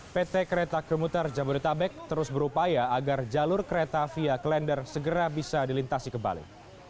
pt kereta kemuter jabodetabek terus berupaya agar jalur kereta via klender segera bisa dilintasi kembali